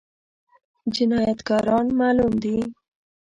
جنايتکاران معلوم دي؟